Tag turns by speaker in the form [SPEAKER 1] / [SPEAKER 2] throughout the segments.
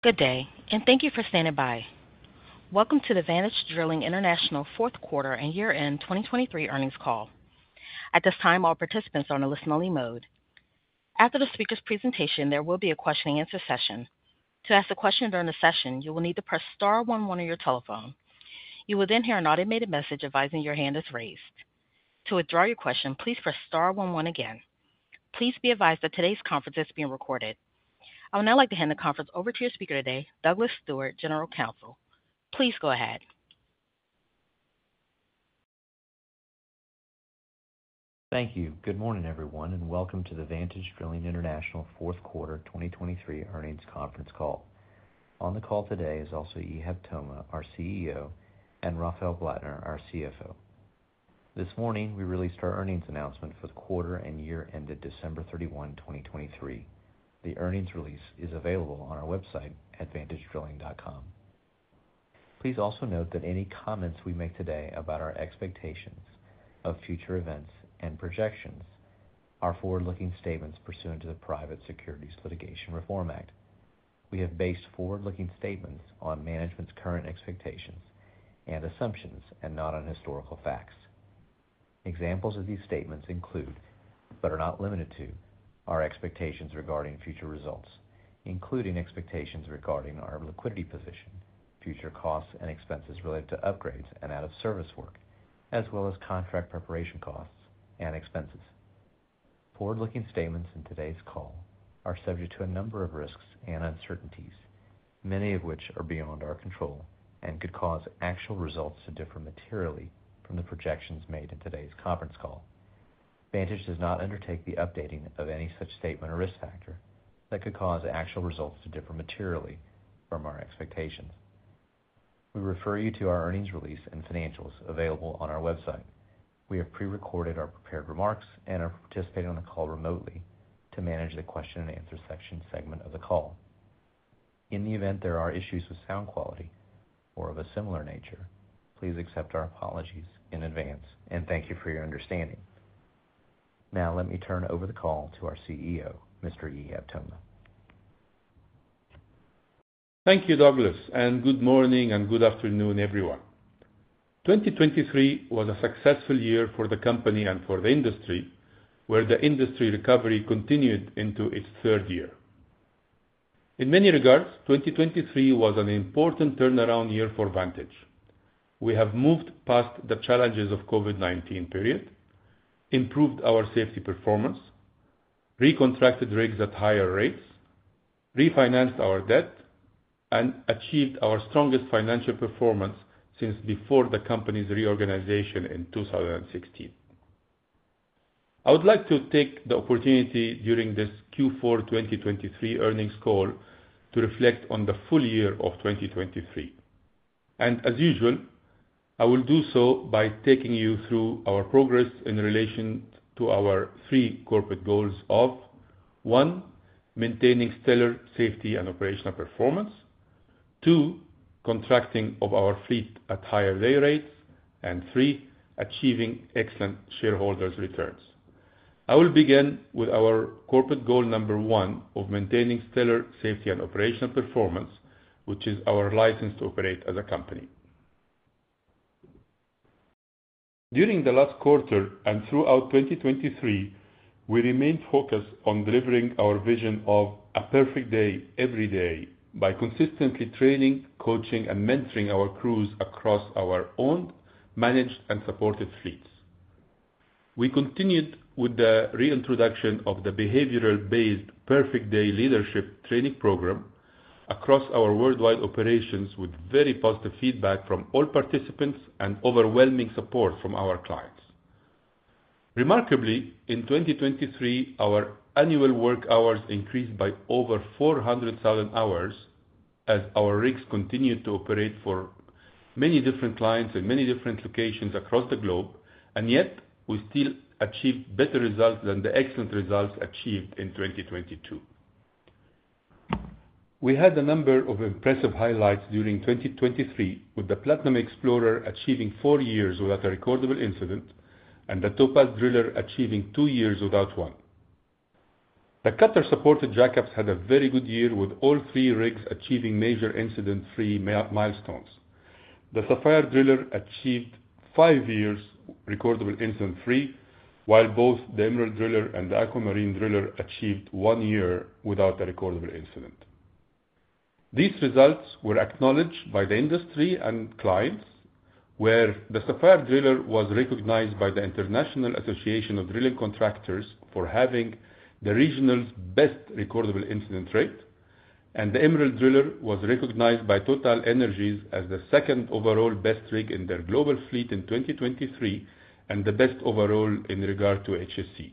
[SPEAKER 1] Good day, and thank you for standing by. Welcome to the Vantage Drilling International fourth quarter and year-end 2023 earnings call. At this time, all participants are on a listen-only mode. After the speaker's presentation, there will be a question-and-answer session. To ask a question during the session, you will need to press star one one on your telephone. You will then hear an automated message advising your hand is raised. To withdraw your question, please press star one one again. Please be advised that today's conference is being recorded. I would now like to hand the conference over to your speaker today, Douglas Stewart, General Counsel. Please go ahead.
[SPEAKER 2] Thank you. Good morning, everyone, and welcome to the Vantage Drilling International fourth quarter 2023 earnings conference call. On the call today is also Ihab Toma, our CEO, and Rafael Blattner, our CFO. This morning, we released our earnings announcement for the quarter and year ended December 31, 2023. The earnings release is available on our website at vantagedrilling.com. Please also note that any comments we make today about our expectations of future events and projections are forward-looking statements pursuant to the Private Securities Litigation Reform Act. We have based forward-looking statements on management's current expectations and assumptions and not on historical facts. Examples of these statements include, but are not limited to, our expectations regarding future results, including expectations regarding our liquidity position, future costs and expenses related to upgrades and out-of-service work, as well as contract preparation costs and expenses. Forward-looking statements in today's call are subject to a number of risks and uncertainties, many of which are beyond our control and could cause actual results to differ materially from the projections made in today's conference call. Vantage does not undertake the updating of any such statement or risk factor that could cause actual results to differ materially from our expectations. We refer you to our earnings release and financials available on our website. We have prerecorded our prepared remarks and are participating on the call remotely to manage the question-and-answer section segment of the call. In the event there are issues with sound quality or of a similar nature, please accept our apologies in advance and thank you for your understanding. Now, let me turn over the call to our CEO, Mr. Ihab Toma.
[SPEAKER 3] Thank you, Douglas, and good morning and good afternoon, everyone. 2023 was a successful year for the company and for the industry, where the industry recovery continued into its third year. In many regards, 2023 was an important turnaround year for Vantage. We have moved past the challenges of the COVID-19 period, improved our safety performance, recontracted rigs at higher dayrates, refinanced our debt, and achieved our strongest financial performance since before the company's reorganization in 2016. I would like to take the opportunity during this Q4 2023 earnings call to reflect on the full year of 2023. As usual, I will do so by taking you through our progress in relation to our three corporate goals of: one, maintaining stellar safety and operational performance; two, contracting of our fleet at higher dayrates; and three, achieving excellent shareholders' returns. I will begin with our corporate goal number one of maintaining stellar safety and operational performance, which is our license to operate as a company. During the last quarter and throughout 2023, we remained focused on delivering our vision of "a perfect day every day" by consistently training, coaching, and mentoring our crews across our owned, managed, and supported fleets. We continued with the reintroduction of the behavioral-based Perfect Day Leadership training program across our worldwide operations with very positive feedback from all participants and overwhelming support from our clients. Remarkably, in 2023, our annual work hours increased by over 400,000 hours as our rigs continued to operate for many different clients in many different locations across the globe, and yet we still achieved better results than the excellent results achieved in 2022. We had a number of impressive highlights during 2023, with the Platinum Explorer achieving four years without a recordable incident and the Topaz Driller achieving two years without one. The Qatar-supported jack-ups had a very good year, with all three rigs achieving major incident-free milestones. The Sapphire Driller achieved five years recordable incident-free, while both the Emerald Driller and the Aquamarine Driller achieved one year without a recordable incident. These results were acknowledged by the industry and clients, where the Sapphire Driller was recognized by the International Association of Drilling Contractors for having the region's best recordable incident rate, and the Emerald Driller was recognized by TotalEnergies as the second overall best rig in their global fleet in 2023 and the best overall in regard to HSE.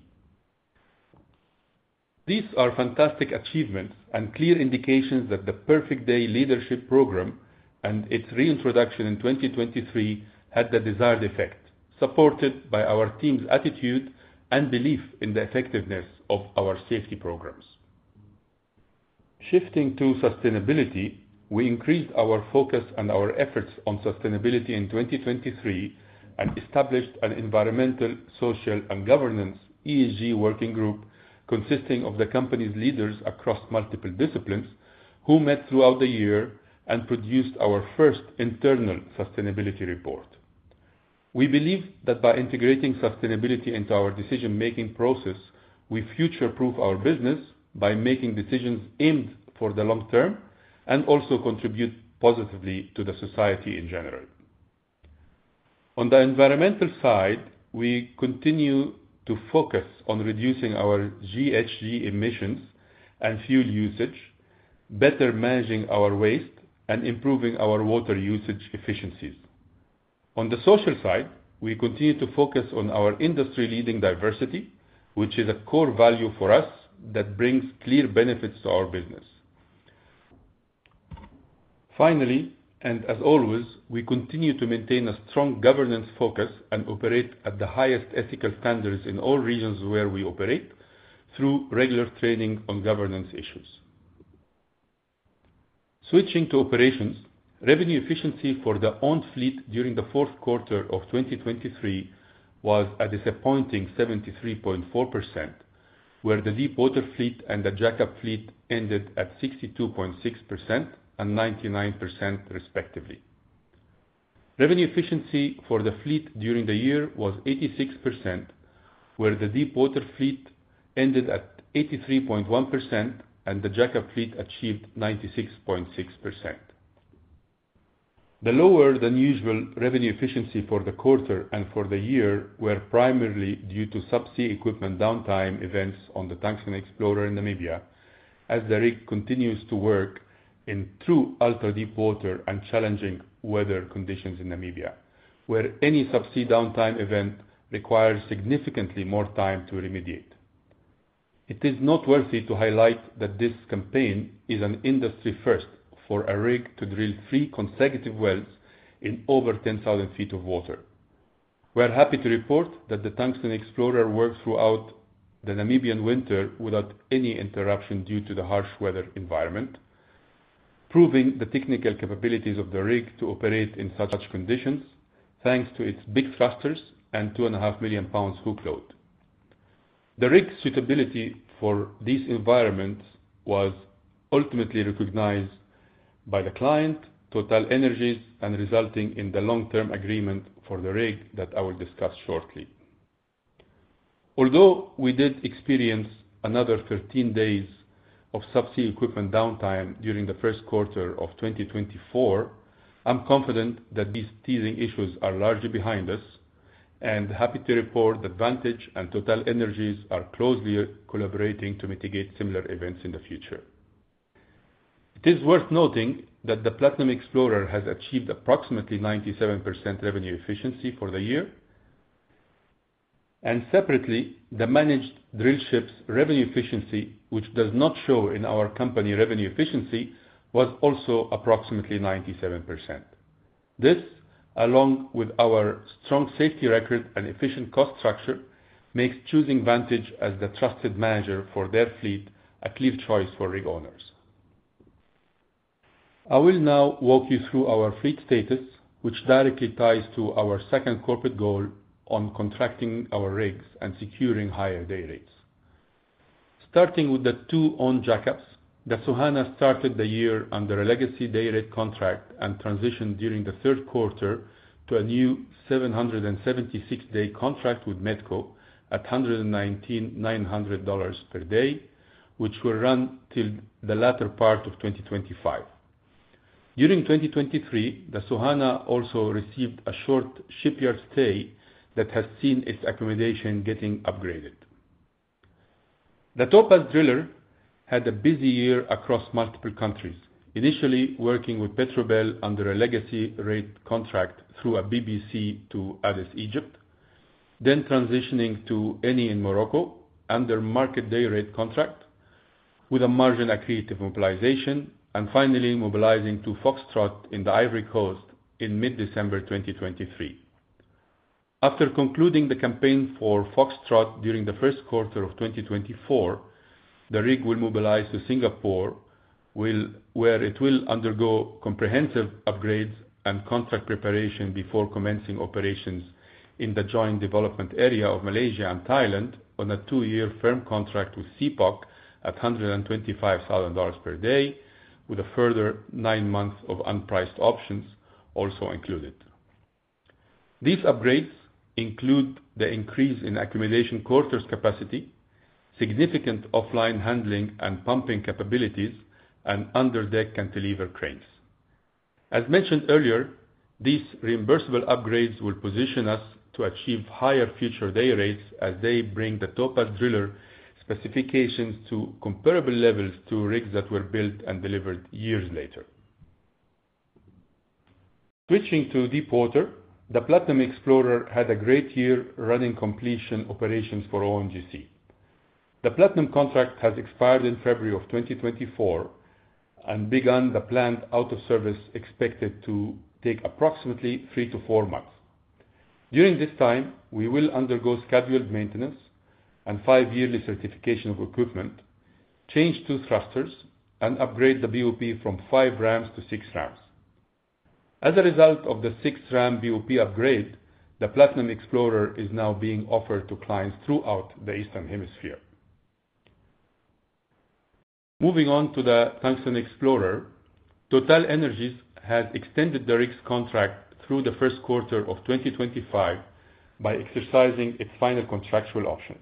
[SPEAKER 3] These are fantastic achievements and clear indications that the Perfect Day Leadership program and its reintroduction in 2023 had the desired effect, supported by our team's attitude and belief in the effectiveness of our safety programs. Shifting to sustainability, we increased our focus and our efforts on sustainability in 2023 and established an Environmental, Social, and Governance (ESG) working group consisting of the company's leaders across multiple disciplines who met throughout the year and produced our first internal sustainability report. We believe that by integrating sustainability into our decision-making process, we future-proof our business by making decisions aimed for the long term and also contribute positively to the society in general. On the environmental side, we continue to focus on reducing our GHG emissions and fuel usage, better managing our waste, and improving our water usage efficiencies. On the social side, we continue to focus on our industry-leading diversity, which is a core value for us that brings clear benefits to our business. Finally, and as always, we continue to maintain a strong governance focus and operate at the highest ethical standards in all regions where we operate through regular training on governance issues. Switching to operations, revenue efficiency for the owned fleet during the fourth quarter of 2023 was a disappointing 73.4%, where the deepwater fleet and the jack-up fleet ended at 62.6% and 99%, respectively. Revenue efficiency for the fleet during the year was 86%, where the deepwater fleet ended at 83.1% and the jack-up fleet achieved 96.6%. The lower-than-usual revenue efficiency for the quarter and for the year were primarily due to subsea equipment downtime events on the Tungsten Explorer in Namibia, as the rig continues to work in true ultra-deepwater and challenging weather conditions in Namibia, where any subsea downtime event requires significantly more time to remediate. It is noteworthy to highlight that this campaign is an industry-first for a rig to drill three consecutive wells in over 10,000 feet of water. We are happy to report that the Tungsten Explorer worked throughout the Namibian winter without any interruption due to the harsh weather environment, proving the technical capabilities of the rig to operate in such conditions thanks to its big thrusters and 2.5 million pounds hookload. The rig's suitability for these environments was ultimately recognized by the client, TotalEnergies, and resulting in the long-term agreement for the rig that I will discuss shortly. Although we did experience another 13 days of subsea equipment downtime during the first quarter of 2024, I'm confident that these teething issues are largely behind us, and happy to report that Vantage and TotalEnergies are closely collaborating to mitigate similar events in the future. It is worth noting that the Platinum Explorer has achieved approximately 97% revenue efficiency for the year. Separately, the managed drillship's revenue efficiency, which does not show in our company revenue efficiency, was also approximately 97%. This, along with our strong safety record and efficient cost structure, makes choosing Vantage as the trusted manager for their fleet a clear choice for rig owners. I will now walk you through our fleet status, which directly ties to our second corporate goal on contracting our rigs and securing higher dayrates. Starting with the two owned jack-ups, the Soehanah started the year under a legacy dayrate contract and transitioned during the third quarter to a new 776-day contract with Medco at $119,900 per day, which will run till the latter part of 2025. During 2023, the Soehanah also received a short shipyard stay that has seen its accommodation getting upgraded. The Topaz Driller had a busy year across multiple countries, initially working with Petrobel under a legacy rate contract through a BBC to ADES Egypt, then transitioning to Eni in Morocco under a market dayrate contract with a margin-accretive mobilization, and finally mobilizing to Foxtrot in the Ivory Coast in mid-December 2023. After concluding the campaign for Foxtrot during the first quarter of 2024, the rig will mobilize to Singapore, where it will undergo comprehensive upgrades and contract preparation before commencing operations in the Joint Development Area of Malaysia and Thailand on a two-year firm contract with CPOC at $125,000 per day, with a further nine months of unpriced options also included. These upgrades include the increase in accommodation quarters capacity, significant offline handling and pumping capabilities, and under-deck cantilever cranes. As mentioned earlier, these reimbursable upgrades will position us to achieve higher future dayrates as they bring the Topaz Driller specifications to comparable levels to rigs that were built and delivered years later. Switching to deep water, the Platinum Explorer had a great year running completion operations for ONGC. The Platinum contract has expired in February of 2024 and begun the planned out-of-service expected to take approximately 3-4 months. During this time, we will undergo scheduled maintenance and five-yearly certification of equipment, change 2 thrusters, and upgrade the BOP from 5 rams to 6 rams. As a result of the 6-rams BOP upgrade, the Platinum Explorer is now being offered to clients throughout the Eastern Hemisphere. Moving on to the Tungsten Explorer, TotalEnergies has extended the rig's contract through the first quarter of 2025 by exercising its final contractual option.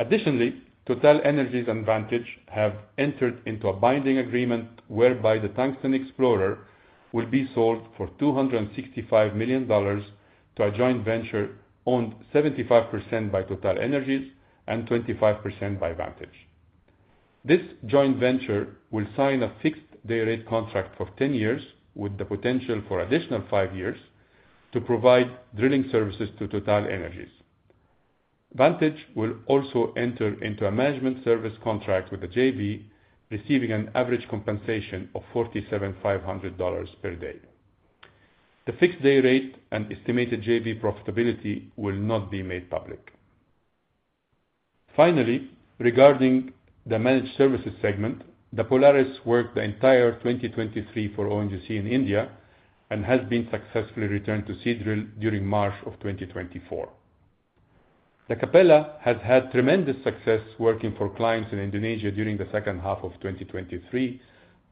[SPEAKER 3] Additionally, TotalEnergies and Vantage have entered into a binding agreement whereby the Tungsten Explorer will be sold for $265 million to a joint venture owned 75% by TotalEnergies and 25% by Vantage. This joint venture will sign a fixed dayrate contract for 10 years, with the potential for additional 5 years to provide drilling services to TotalEnergies. Vantage will also enter into a management service contract with the JV, receiving an average compensation of $47,500 per day. The fixed dayrate and estimated JV profitability will not be made public. Finally, regarding the managed services segment, the Polaris worked the entire 2023 for ONGC in India and has been successfully returned to Seadrill during March 2024. The Capella has had tremendous success working for clients in Indonesia during the second half of 2023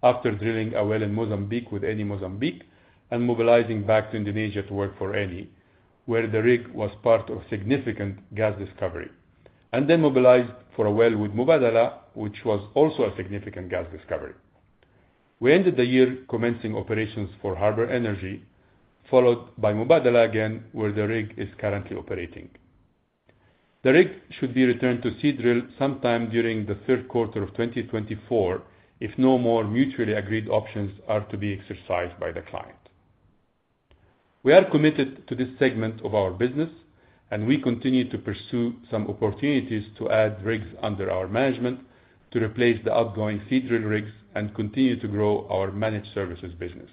[SPEAKER 3] after drilling a well in Mozambique with Eni Mozambique and mobilizing back to Indonesia to work for Eni, where the rig was part of significant gas discovery, and then mobilized for a well with Mubadala, which was also a significant gas discovery. We ended the year commencing operations for Harbour Energy, followed by Mubadala again, where the rig is currently operating. The rig should be returned to Seadrill sometime during the third quarter of 2024 if no more mutually agreed options are to be exercised by the client. We are committed to this segment of our business, and we continue to pursue some opportunities to add rigs under our management to replace the outgoing Seadrill rigs and continue to grow our managed services business.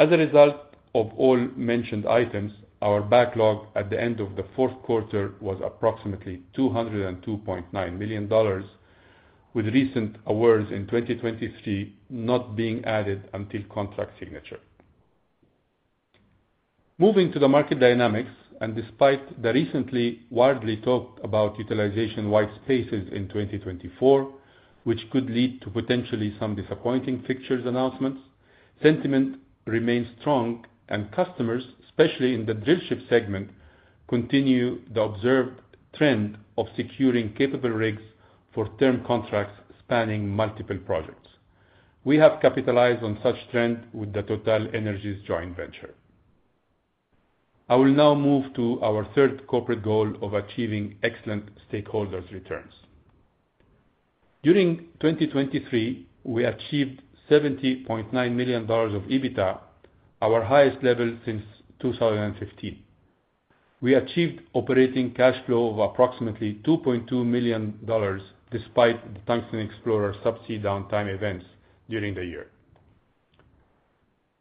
[SPEAKER 3] As a result of all mentioned items, our backlog at the end of the fourth quarter was approximately $202.9 million, with recent awards in 2023 not being added until contract signature. Moving to the market dynamics, and despite the recently widely talked about utilization white spaces in 2024, which could lead to potentially some disappointing fixtures announcements, sentiment remains strong, and customers, especially in the drillship segment, continue the observed trend of securing capable rigs for term contracts spanning multiple projects. We have capitalized on such trend with the TotalEnergies joint venture. I will now move to our third corporate goal of achieving excellent stakeholders returns. During 2023, we achieved $70.9 million of EBITDA, our highest level since 2015. We achieved operating cash flow of approximately $2.2 million despite the Tungsten Explorer subsea downtime events during the year.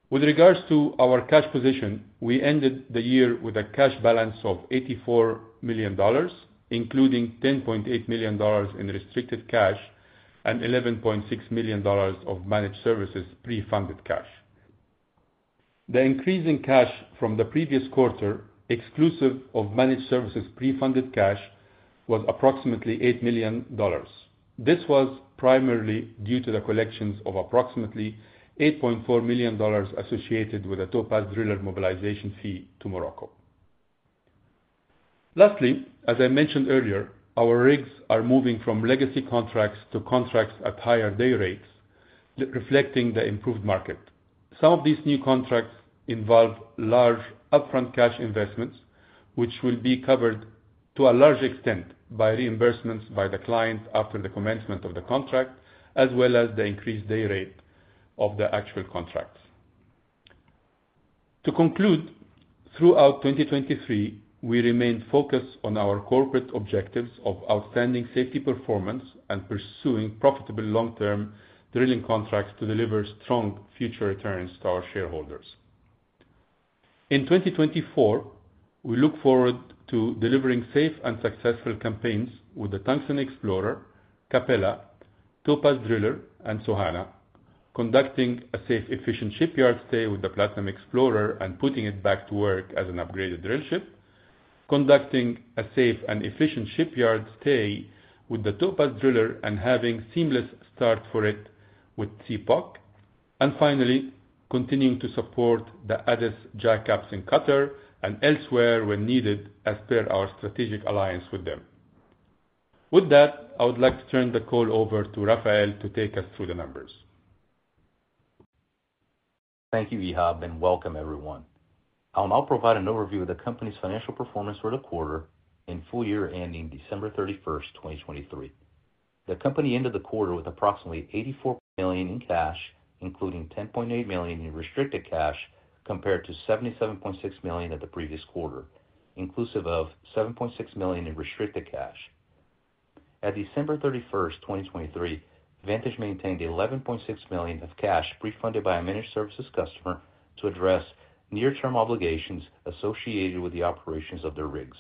[SPEAKER 3] With regards to our cash position, we ended the year with a cash balance of $84 million, including $10.8 million in restricted cash and $11.6 million of managed services pre-funded cash. The increasing cash from the previous quarter, exclusive of managed services pre-funded cash, was approximately $8 million. This was primarily due to the collections of approximately $8.4 million associated with a Topaz Driller mobilization fee to Morocco. Lastly, as I mentioned earlier, our rigs are moving from legacy contracts to contracts at higher dayrates, reflecting the improved market. Some of these new contracts involve large upfront cash investments, which will be covered to a large extent by reimbursements by the client after the commencement of the contract, as well as the increased dayrate of the actual contracts. To conclude, throughout 2023, we remain focused on our corporate objectives of outstanding safety performance and pursuing profitable long-term drilling contracts to deliver strong future returns to our shareholders. In 2024, we look forward to delivering safe and successful campaigns with the Tungsten Explorer, Capella, Topaz Driller, and Soehanah, conducting a safe, efficient shipyard stay with the Platinum Explorer and putting it back to work as an upgraded drillship, conducting a safe and efficient shipyard stay with the Topaz Driller and having a seamless start for it with CPOC, and finally, continuing to support the ADES jack-ups in Qatar and elsewhere when needed as per our strategic alliance with them. With that, I would like to turn the call over to Rafael to take us through the numbers.
[SPEAKER 4] Thank you, Ihab, and welcome, everyone. I will now provide an overview of the company's financial performance for the quarter and full year ending December 31st, 2023. The company ended the quarter with approximately $84 million in cash, including $10.8 million in restricted cash, compared to $77.6 million at the previous quarter, inclusive of $7.6 million in restricted cash. At December 31st, 2023, Vantage maintained $11.6 million of cash pre-funded by a managed services customer to address near-term obligations associated with the operations of their rigs.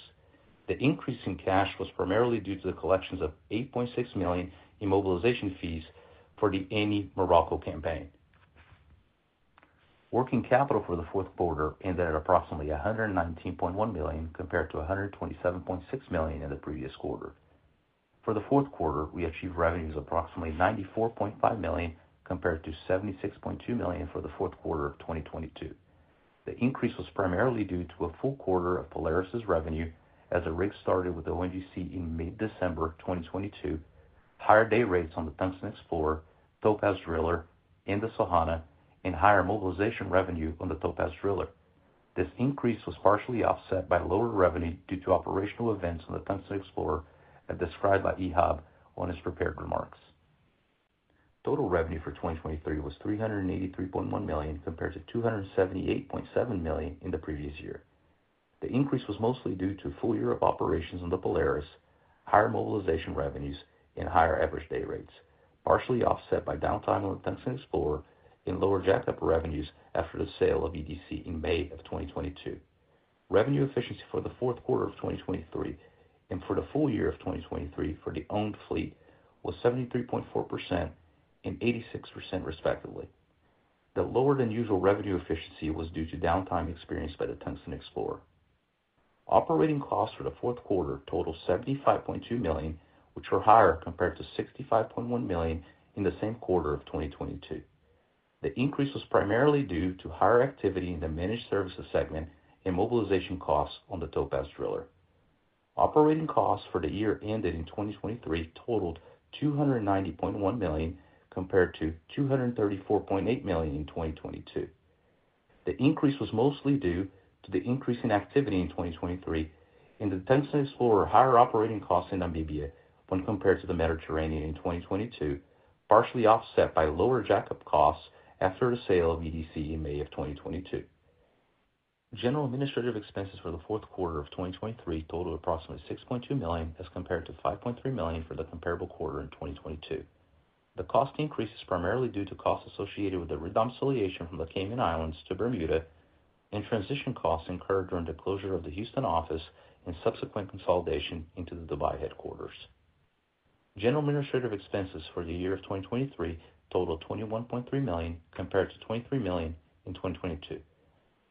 [SPEAKER 4] The increase in cash was primarily due to the collections of $8.6 million in mobilization fees for the Eni Morocco campaign, working capital for the fourth quarter ended at approximately $119.1 million compared to $127.6 million in the previous quarter. For the fourth quarter, we achieved revenues of approximately $94.5 million compared to $76.2 million for the fourth quarter of 2022. The increase was primarily due to a full quarter of Polaris's revenue as the rig started with ONGC in mid-December 2022, higher dayrates on the Tungsten Explorer, Topaz Driller, and the Soehanah, and higher mobilization revenue on the Topaz Driller. This increase was partially offset by lower revenue due to operational events on the Tungsten Explorer as described by Ihab on his prepared remarks. Total revenue for 2023 was $383.1 million compared to $278.7 million in the previous year. The increase was mostly due to full year of operations on the Polaris, higher mobilization revenues, and higher average dayrates, partially offset by downtime on the Tungsten Explorer and lower jack-up revenues after the sale of EDC in May of 2022. Revenue efficiency for the fourth quarter of 2023 and for the full year of 2023 for the owned fleet was 73.4% and 86% respectively. The lower-than-usual revenue efficiency was due to downtime experienced by the Tungsten Explorer. Operating costs for the fourth quarter totaled $75.2 million, which were higher compared to $65.1 million in the same quarter of 2022. The increase was primarily due to higher activity in the managed services segment and mobilization costs on the Topaz Driller. Operating costs for the year ended in 2023 totaled $290.1 million compared to $234.8 million in 2022. The increase was mostly due to the increase in activity in 2023 and the Tungsten Explorer higher operating costs in Namibia when compared to the Mediterranean in 2022, partially offset by lower jack-up costs after the sale of EDC in May of 2022. General administrative expenses for the fourth quarter of 2023 totaled approximately $6.2 million as compared to $5.3 million for the comparable quarter in 2022. The cost increase is primarily due to costs associated with the redomiciliation from the Cayman Islands to Bermuda and transition costs incurred during the closure of the Houston office and subsequent consolidation into the Dubai headquarters. General administrative expenses for the year of 2023 totaled $21.3 million compared to $23 million in 2022.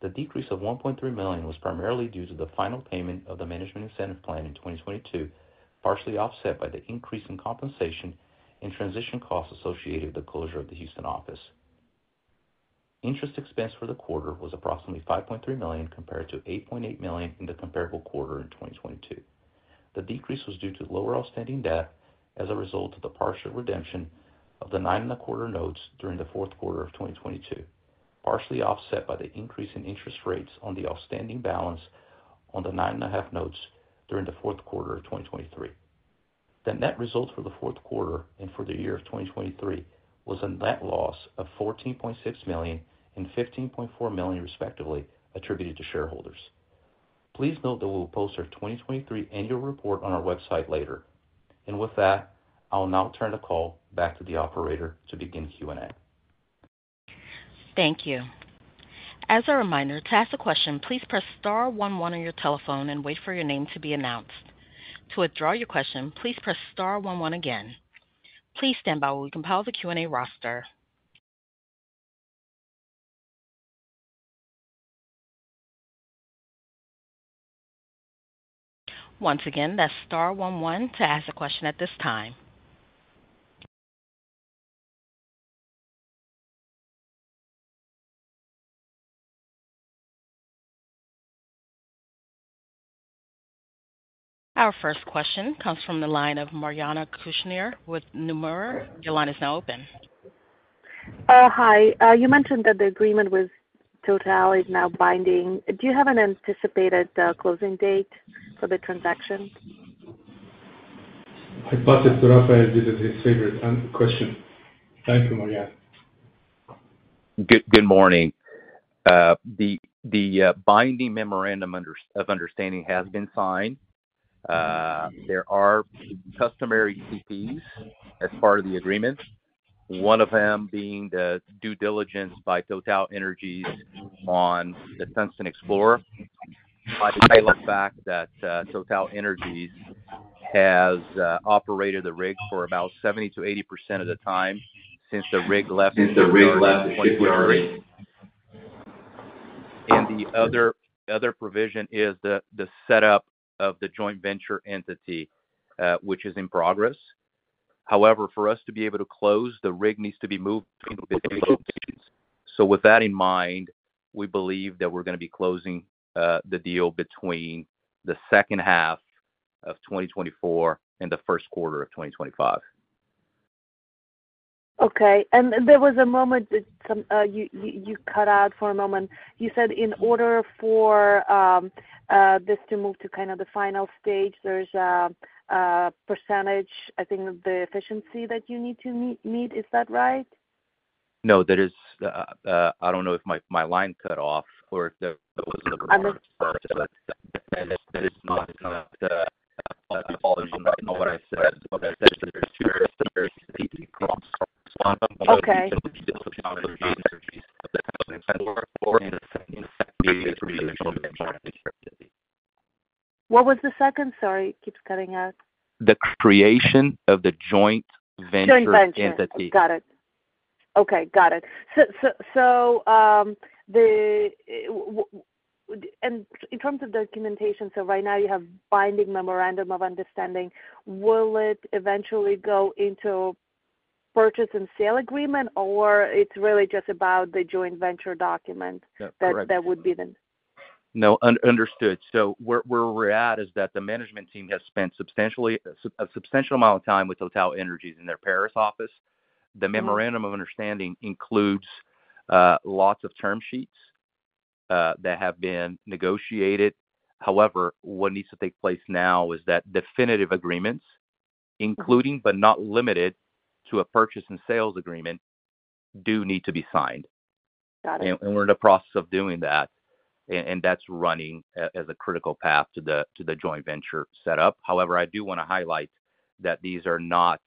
[SPEAKER 4] The decrease of $1.3 million was primarily due to the final payment of the Management Incentive Plan in 2022, partially offset by the increase in compensation and transition costs associated with the closure of the Houston office. Interest expense for the quarter was approximately $5.3 million compared to $8.8 million in the comparable quarter in 2022. The decrease was due to lower outstanding debt as a result of the partial redemption of the 9.25 notes during the fourth quarter of 2022, partially offset by the increase in interest rates on the outstanding balance on the 9.5 notes during the fourth quarter of 2023. The net result for the fourth quarter and for the year of 2023 was a net loss of $14.6 million and $15.4 million respectively attributed to shareholders. Please note that we will post our 2023 annual report on our website later. With that, I will now turn the call back to the operator to begin Q&A.
[SPEAKER 1] Thank you. As a reminder, to ask a question, please press star one one on your telephone and wait for your name to be announced. To withdraw your question, please press star one one again. Please stand by while we compile the Q&A roster. Once again, that's star one one to ask a question at this time. Our first question comes from the line of Mariana Schneider with Nordea. Your line is now open.
[SPEAKER 5] Hi. You mentioned that the agreement with TotalEnergies is now binding. Do you have an anticipated closing date for the transaction?
[SPEAKER 3] I thought that Rafael did his favorite question. Thank you, Mariana.
[SPEAKER 4] Good morning. The binding Memorandum of Understanding has been signed. There are customary CPs as part of the agreement, one of them being the due diligence by TotalEnergies on the Tungsten Explorer. I recall that TotalEnergies has operated the rig for about 70%-80% of the time since the rig left the shipyard. The other provision is the setup of the joint venture entity, which is in progress. However, for us to be able to close, the rig needs to be moved between locations. So with that in mind, we believe that we're going to be closing the deal between the second half of 2024 and the first quarter of 2025.
[SPEAKER 5] Okay. And there was a moment that you cut out for a moment. You said in order for this to move to kind of the final stage, there's a percentage, I think, of the efficiency that you need to meet. Is that right?
[SPEAKER 4] No. I don't know if my line cut off or if there wasn't a remark. That is not applicable. I know what I said. What I said is that there's two areas that need to be addressed between the joint venture entity of the Tungsten Explorer or, in effect, create a joint venture entity.
[SPEAKER 5] What was the second? Sorry, it keeps cutting out.
[SPEAKER 4] The creation of the joint venture entity.
[SPEAKER 5] Joint venture. Got it. Okay, got it. In terms of documentation, so right now you have binding Memorandum of Understanding. Will it eventually go into purchase and sale agreement, or it's really just about the joint venture document that would be then?
[SPEAKER 4] No, understood. So where we're at is that the management team has spent a substantial amount of time with TotalEnergies in their Paris office. The Memorandum of Understanding includes lots of term sheets that have been negotiated. However, what needs to take place now is that definitive agreements, including but not limited to a purchase and sales agreement, do need to be signed. And we're in the process of doing that, and that's running as a critical path to the joint venture setup. However, I do want to highlight that these are not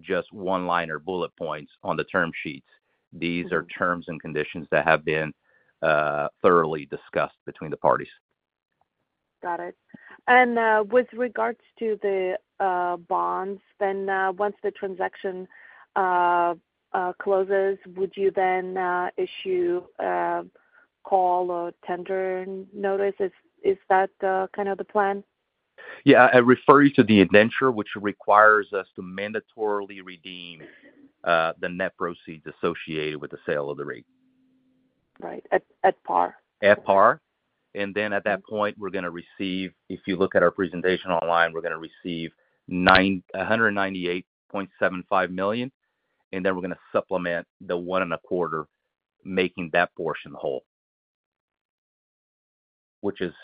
[SPEAKER 4] just one-liner bullet points on the term sheets. These are terms and conditions that have been thoroughly discussed between the parties.
[SPEAKER 5] Got it. And with regards to the bonds, then once the transaction closes, would you then issue a call or tender notice? Is that kind of the plan?
[SPEAKER 4] Yeah, it refers to the indenture, which requires us to mandatorily redeem the net proceeds associated with the sale of the rig. Right, at par. At par. And then at that point, we're going to receive if you look at our presentation online, we're going to receive $198.75 million, and then we're going to supplement the $1.25 million making that portion whole, which is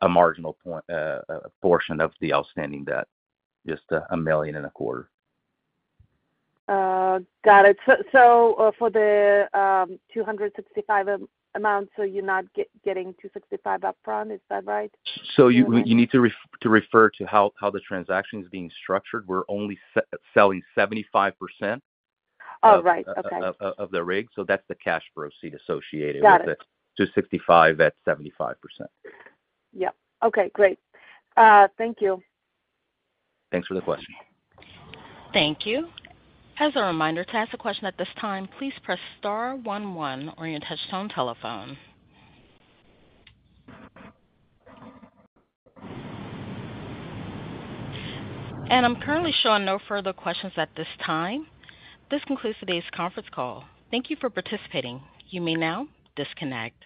[SPEAKER 4] a marginal portion of the outstanding debt, just $1.25 million.
[SPEAKER 5] Got it. So for the $265 amount, so you're not getting $265 upfront. Is that right?
[SPEAKER 4] So you need to refer to how the transaction is being structured. We're only selling 75% of the rig. So that's the cash proceeds associated with the $265 at 75%.
[SPEAKER 5] Yep. Okay, great. Thank you.
[SPEAKER 4] Thanks for the question.
[SPEAKER 1] Thank you. As a reminder, to ask a question at this time, please press star one one or your touch-tone telephone. And I'm currently showing no further questions at this time. This concludes today's conference call. Thank you for participating. You may now disconnect.